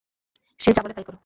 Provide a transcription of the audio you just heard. সে যা বলে তাই করো!